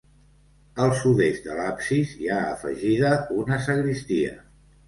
Al sud-est de l'absis hi ha afegida una sagristia.